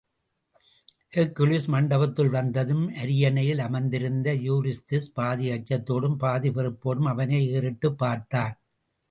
Hercules மண்டபத்துள் வந்ததும், அரியனையில் அமர்த்திருந்த யூரிஸ்திஸ் பாதி அச்சத்தோடும், பாதி வெறுப்போடும் அவனை ஏறிட்டுப் பார்த்தான்.